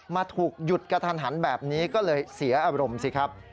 มาถูกหยุดกระทันหันแบบนี้ก็เลยเสียอารมณ์สิครับ